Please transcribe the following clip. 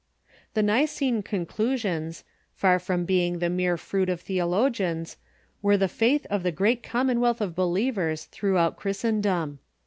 The Nicene conclusions, far from being the mere fruit of theologians, were the faith of the great commonwealth of be lievers throughout Christendom.